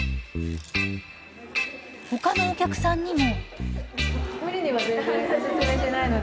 他のお客さんにも。